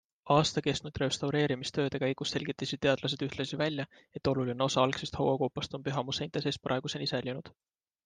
Aasta kestnud restaureerimistööde käigus selgitasid teadlased ühtlasi välja, et oluline osa algsest hauakoopast on pühamu seinte sees praeguseni säilinud.